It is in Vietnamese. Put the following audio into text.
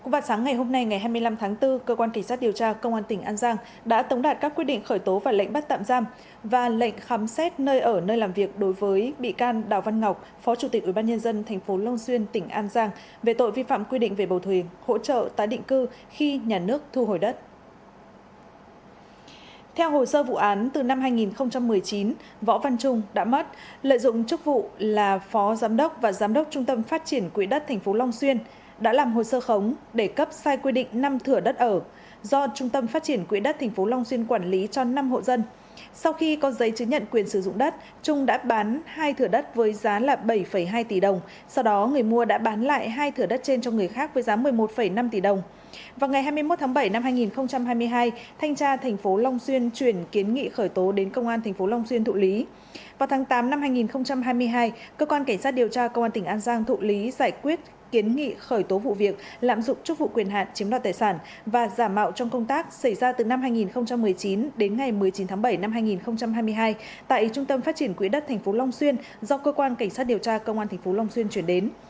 vào tháng tám năm hai nghìn hai mươi hai cơ quan cảnh sát điều tra công an tỉnh an giang thụ lý giải quyết kiến nghị khởi tố vụ việc lãm dụng chức vụ quyền hạn chiếm đoạt tài sản và giả mạo trong công tác xảy ra từ năm hai nghìn một mươi chín đến ngày một mươi chín tháng bảy năm hai nghìn hai mươi hai tại trung tâm phát triển quỹ đất tp long xuyên do cơ quan cảnh sát điều tra công an tp long xuyên chuyển đến